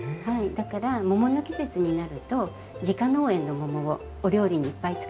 だから桃の季節になると自家農園の桃をお料理にいっぱい使っています。